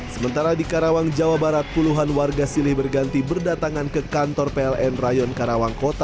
sementara di karawang jawa barat puluhan warga silih berganti berdatangan ke kantor pln rayon karawang kota